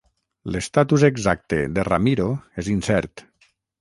L'estatus exacte de Ramiro és incert.